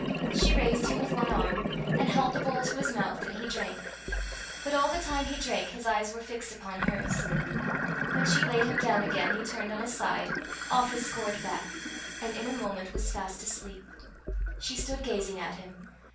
She raised him with one arm, and held the bowl to his mouth, and he drank; but all the time he drank, his eyes were fixed upon hers. When she laid him down again, he turned on his side, off his scored back, and in a moment was fast asleep. She stood gazing at him.